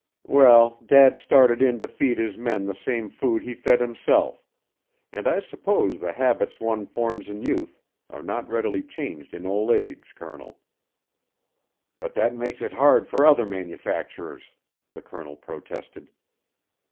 "Well, Dad started in to feed his men the same food he fed himself, and I suppose the habits one forms in youth are not readily changed in old age, Colonel." "But that makes it hard for other manufacturers," the Colonel protested.